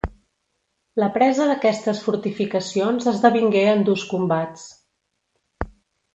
La presa d'aquestes fortificacions esdevingué en durs combats.